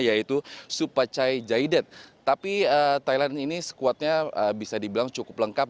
yaitu supacai jaidet tapi thailand ini skuadnya bisa dibilang cukup lengkap